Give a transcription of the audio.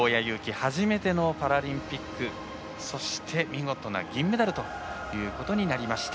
初めてのパラリンピックそして、見事な銀メダルということになりました。